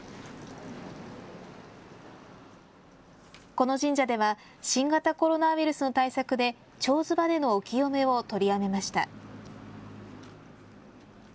この神社では新型コロナウイルスの対策でちょうず場でのお清めを取りやめました。